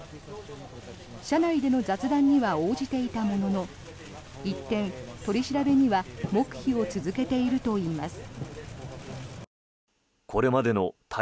車内での雑談には応じていたものの一転、取り調べには黙秘を続けているといいます。